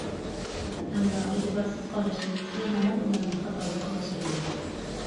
ئەمما ئېتىبارسىز قاراش تۇيغۇسى ھامان ئۇلارنى خاتالىققا باشلايدۇ.